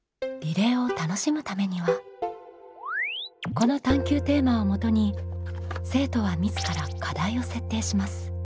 この探究テーマをもとに生徒は自ら課題を設定します。